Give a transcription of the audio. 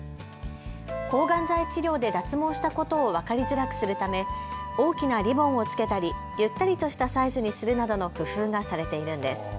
抗がん剤治療で脱毛したことを分かりづらくするため大きなリボンをつけたりゆったりとしたサイズにするなどの工夫がされているんです。